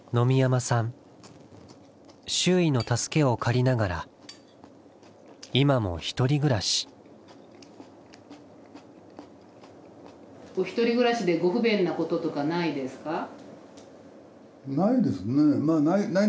見山さん周囲の助けを借りながら今も一人暮らしお一人暮らしでご不便なこととかないですか？